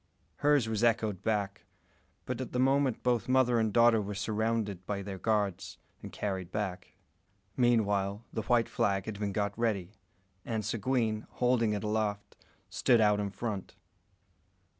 Hers was echoed back; but at the moment both mother and daughter were surrounded by their guards, and carried back. Meanwhile, the white flag had been got ready, and Seguin, holding it aloft, stood out in front.